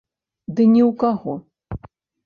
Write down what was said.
Ды ні ў каго!